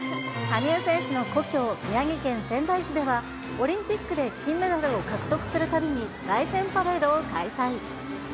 羽生選手の故郷、宮城県仙台市では、オリンピックで金メダルを獲得するたびに凱旋パレードを開催。